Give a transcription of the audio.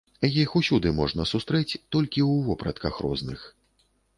Іх усюды можна сустрэць, толькі ў вопратках розных.